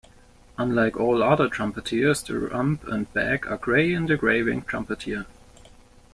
Unlike all other trumpeters, the rump and back are grey in the grey-winged trumpeter.